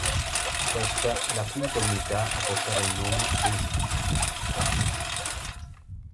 Questa è la quinta unità a portare il nome "Vesuvio".